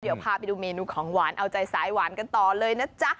เดี๋ยวพาไปดูเมนูของหวานเอาใจสายหวานกันต่อเลยนะจ๊ะ